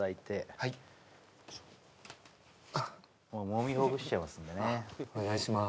はいもみほぐしちゃいますんでねお願いしまーす